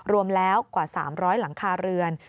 รวมแล้วกว่า๓๐๐หลังคาเรือน